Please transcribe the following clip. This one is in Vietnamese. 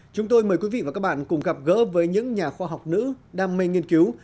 chúng tôi mời quý vị và các bạn cùng gặp gỡ với những nhà khoa học nữ đam mê nghiên cứu